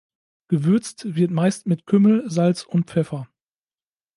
Gewürzt wird meist mit Kümmel, Salz und Pfeffer.